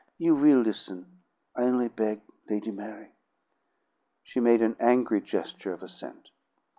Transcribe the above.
"You will listen, I only beg, Lady Mary?" She made an angry gesture of assent.